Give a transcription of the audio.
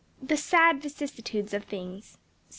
"The sad vicissitudes of things."